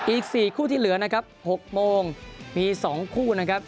อีก๔คู่ที่เหลือนะครับ๖โมงมี๒คู่นะครับ